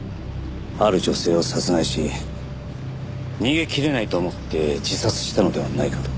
ある女性を殺害し逃げ切れないと思って自殺したのではないかと。